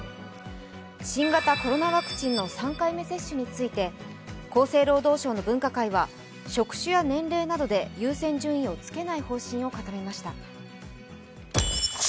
新型コロナワクチンの３回目接種について厚生労働省の分科会は職種や年齢などで優先順位をつけない方針を固めました。